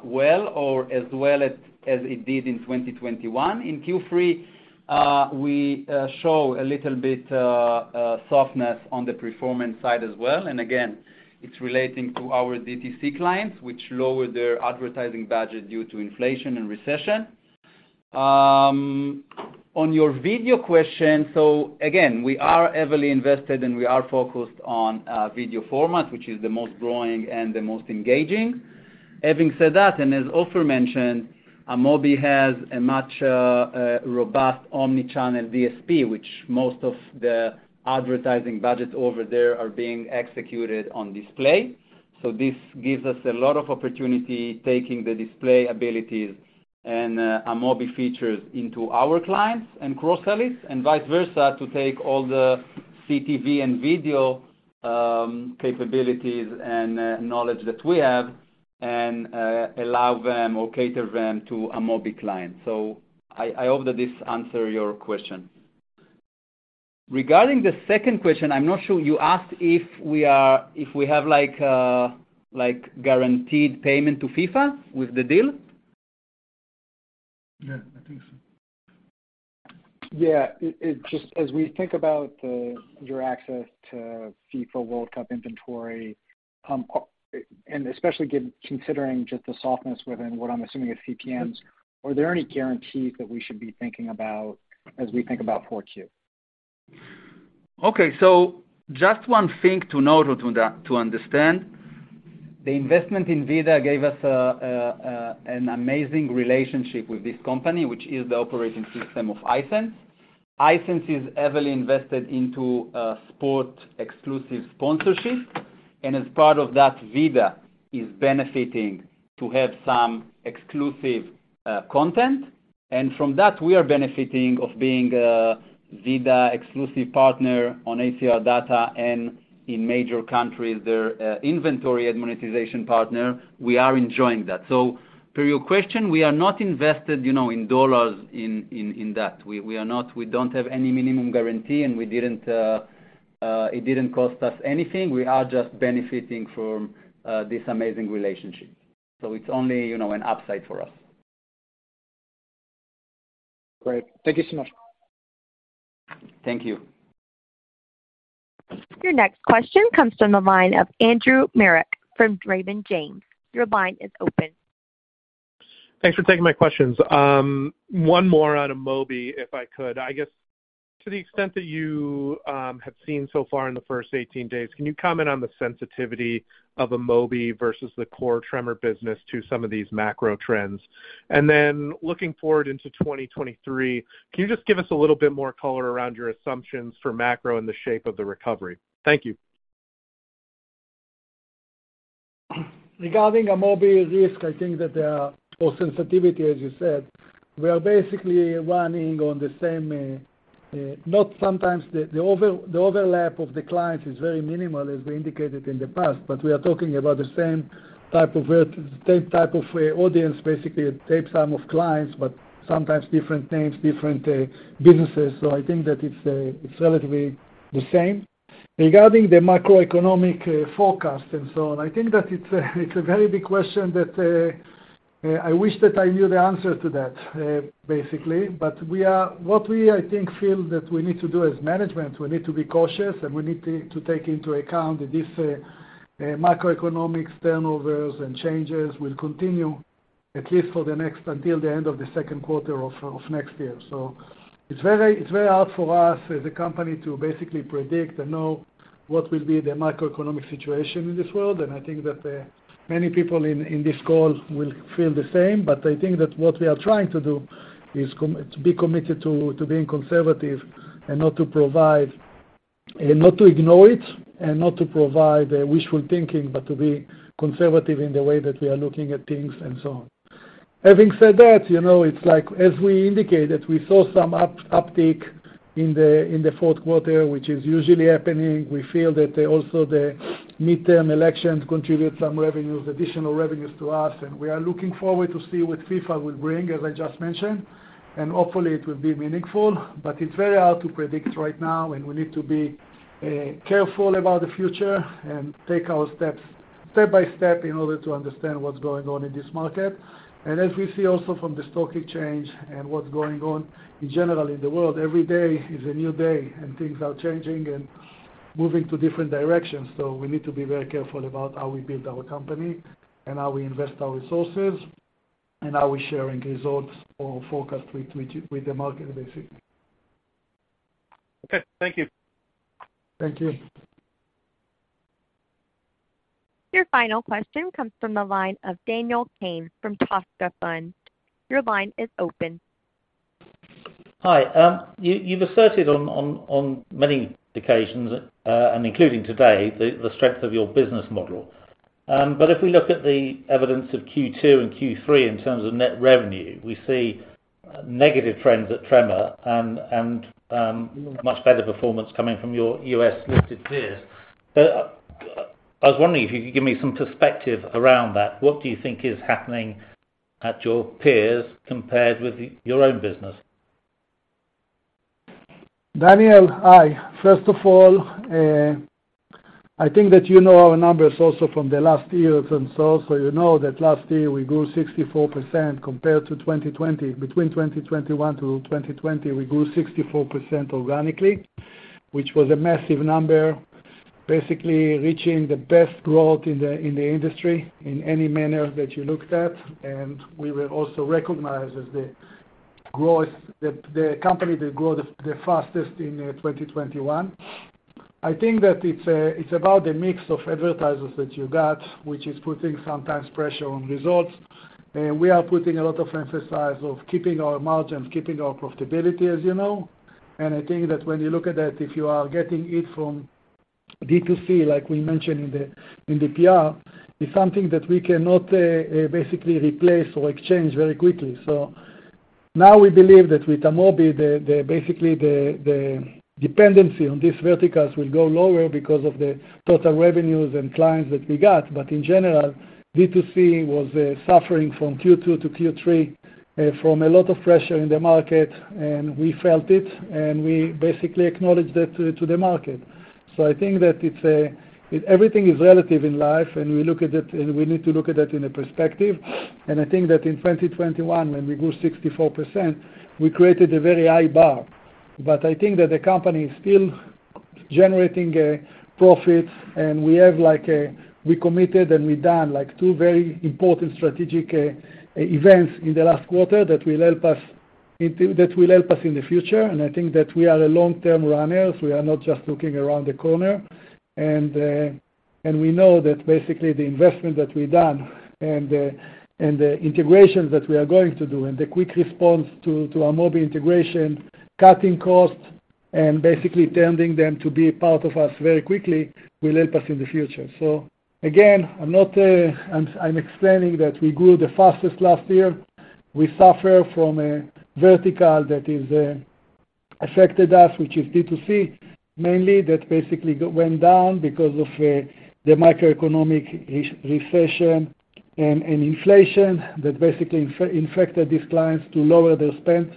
well or as well as it did in 2021. In Q3, we show a little bit softness on the performance side as well. Again, it's relating to our DTC clients, which lowered their advertising budget due to inflation and recession. On your video question, again, we are heavily invested and we are focused on video format, which is the most growing and the most engaging. Having said that, as Ofer mentioned, Amobee has a much robust omnichannel DSP, which most of the advertising budgets over there are being executed on display. This gives us a lot of opportunity taking the display abilities and Amobee features into our clients and cross-sell it, and vice versa, to take all the CTV and video capabilities and knowledge that we have. Allow them or cater them to an Amobee client. I hope that this answers your question. Regarding the second question, I'm not sure if you asked if we have like guaranteed payment to FIFA with the deal? Yeah, I think so. Just as we think about your access to FIFA World Cup inventory, and especially considering just the softness within what I'm assuming is CPMs, are there any guarantees that we should be thinking about as we think about 4Q? Just one thing to note or to understand, the investment in VIDAA gave us an amazing relationship with this company, which is the operating system of Hisense. Hisense is heavily invested into sport exclusive sponsorship. As part of that, VIDAA is benefiting to have some exclusive content. From that, we are benefiting of being VIDAA exclusive partner on ACR data and in major countries, their inventory and monetization partner, we are enjoying that. Per your question, we are not invested, you know, in dollars in that. We don't have any minimum guarantee, and we didn't, it didn't cost us anything. We are just benefiting from this amazing relationship. It's only, you know, an upside for us. Great. Thank you so much. Thank you. Your next question comes from the line of Andrew Marok from Raymond James. Your line is open. Thanks for taking my questions. One more on Amobee, if I could. I guess to the extent that you have seen so far in the first 18 days, can you comment on the sensitivity of Amobee versus the core Tremor business to some of these macro trends? Looking forward into 2023, can you just give us a little bit more color around your assumptions for macro and the shape of the recovery? Thank you. Regarding Amobee risk, I think that or sensitivity, as you said, we are basically running on the same. Sometimes the overlap of the clients is very minimal, as we indicated in the past, but we are talking about the same type of vertical, same type of audience, basically a type of clients, but sometimes different names, different businesses. I think that it's relatively the same. Regarding the macroeconomic forecast and so on, I think that it's a very big question that I wish that I knew the answer to that, basically. What we, I think, feel that we need to do as management, we need to be cautious, and we need to take into account that this macroeconomic downturns and changes will continue, until the end of the Q2 of next year. It's very hard for us as a company to basically predict and know what will be the macroeconomic situation in this world. I think that many people in this call will feel the same. I think that what we are trying to do is to be committed to being conservative and not to ignore it, and not to provide wishful thinking, but to be conservative in the way that we are looking at things and so on. Having said that, you know, it's like as we indicated, we saw some uptake in the Q4, which is usually happening. We feel that also the midterm elections contribute some revenues, additional revenues to us. We are looking forward to see what FIFA will bring, as I just mentioned, and hopefully it will be meaningful. It's very hard to predict right now, and we need to be careful about the future and take our steps step by step in order to understand what's going on in this market. As we see also from the stock exchange and what's going on generally in the world, every day is a new day, and things are changing and moving to different directions. We need to be very careful about how we build our company and how we invest our resources, and how we're sharing results or forecast with the market, basically. Okay. Thank you. Thank you. Your final question comes from the line of Daniel Cane from Toscafund. Your line is open. Hi, you've asserted on many occasions, and including today, the strength of your business model. And but if we look at the evidence of Q2 and Q3 in terms of net revenue, we see negative trend at Tremor and much better performance coming from your U.S. listed peers. I was wondering if you could give me some perpective around that. What do you think is happening at your peers compared with your own business? Daniel, hi. First of all, I think that you know our numbers also from the last year or from so. You know that last year we grew 64% compared to 2020. Between 2021 to 2020, we grew 64% organically, which was a massive number, basically reaching the best growth in the industry in any manner that you looked at. We were also recognized as the company that grew the fastest in 2021. I think that it's about the mix of advertisers that you got, which is putting sometimes pressure on results. We are putting a lot of emphasis of keeping our margins, keeping our profitability, as you know. I think that when you look at that, if you are getting it from D2C, like we mentioned in the PR, it's something that we cannot basically replace or exchange very quickly. We believe that with Amobee, basically the dependency on these verticals will go lower because of the total revenues and clients that we got. In general, D2C was suffering from Q2 to Q3 from a lot of pressure in the market, and we felt it, and we basically acknowledged that to the market. I think that it's everything is relative in life, and we look at it, and we need to look at it in a perspective. I think that in 2021, when we grew 64%, we created a very high bar. I think that the company is still generating a profit, and we have like we committed, and we done like two very important strategic events in the last quarter that will help us in the future. I think that we are a long-term runners. We are not just looking around the corner. We know that basically the investment that we done and the integrations that we are going to do and the quick response to Amobee integration, cutting costs, and basically turning them to be a part of us very quickly will help us in the future. I'm explaining that we grew the fastest last year. We suffer from a vertical that is affected us, which is D2C, mainly that basically went down because of the macroeconomic recession and inflation that basically infected these clients to lower their spend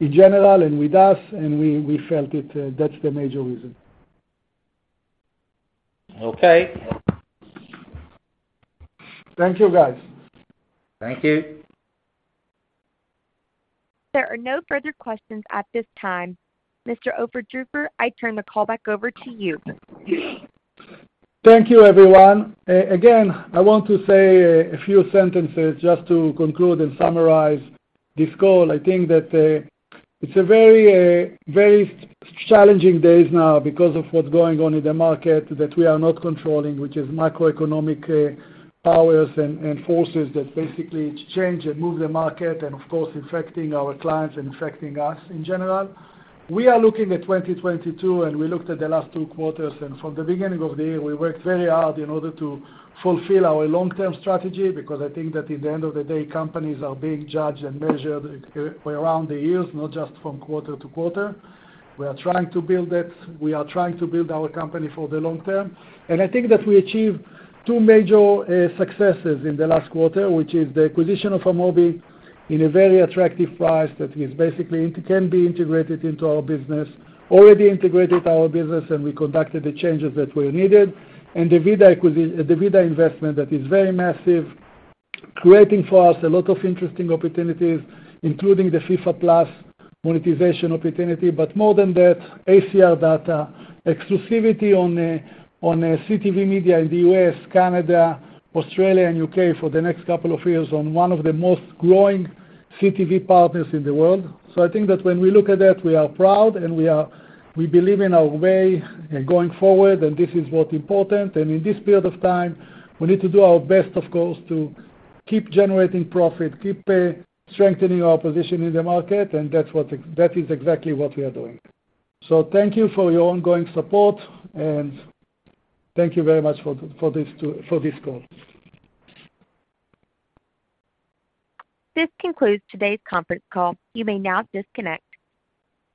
in general and with us, and we felt it. That's the major reason. Okay. Thank you, guys. Thank you. There are no further questions at this time. Mr. Ofer Druker, I turn the call back over to you. Thank you, everyone. Again, I want to say a few sentences just to conclude and summarize this call. I think that it's a very challenging days now because of what's going on in the market that we are not controlling, which is macroeconomic powers and forces that basically change and move the market and of course affecting our clients and affecting us in general. We are looking at 2022, and we looked at the last two quarters. From the beginning of the year, we worked very hard in order to fulfill our long-term strategy because I think that at the end of the day, companies are being judged and measured around the years, not just from quarter to quarter. We are trying to build that. We are trying to build our company for the long term. I think that we achieved two major successes in the last quarter, which is the acquisition of Amobee at a very attractive price that is basically it can be integrated into our business, already integrated our business, and we conducted the changes that were needed. The VIDAA investment that is very massive, creating for us a lot of interesting opportunities, including the FIFA+ monetization opportunity, but more than that, ACR data, exclusivity on CTV media in the U.S., Canada, Australia, and U.K. for the next couple of years on one of the most growing CTV partners in the world. I think that when we look at that, we are proud, and we are we believe in our way going forward, and this is what important. In this period of time, we need to do our best, of course, to keep generating profit, keep strengthening our position in the market, and that's what that is exactly what we are doing. Thank you for your ongoing support, and thank you very much for this call. This concludes today's conference call. You may now disconnect.